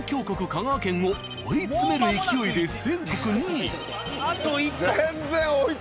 香川県を追い詰める勢いで全国２位。